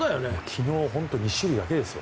昨日、本当２種類だけですよ。